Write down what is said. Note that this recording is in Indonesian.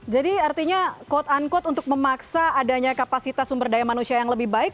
jadi artinya quote unquote untuk memaksa adanya kapasitas sumber daya manusia yang lebih baik